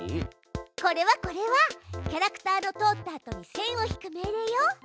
これはこれはキャラクターの通ったあとに線を引く命令よ。